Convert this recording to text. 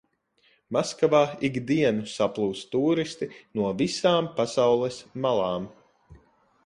Maskavā ik dienu saplūst tūristi no visām pasaules malām.